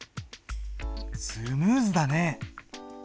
スムーズだね。